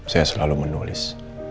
saya selalu menulis